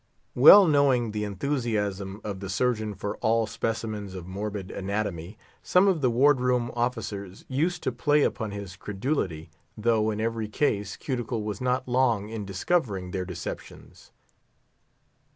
Well knowing the enthusiasm of the Surgeon for all specimens of morbid anatomy, some of the ward room officers used to play upon his credulity, though, in every case, Cuticle was not long in discovering their deceptions.